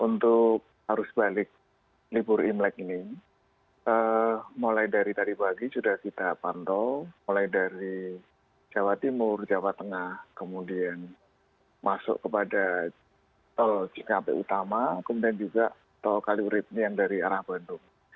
untuk arus balik libur imlek ini mulai dari tadi pagi sudah kita pantau mulai dari jawa timur jawa tengah kemudian masuk kepada tol cikampek utama kemudian juga tol kaliurit yang dari arah bandung